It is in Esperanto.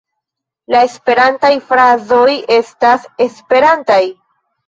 La esperantaj frazoj restas esperantaj.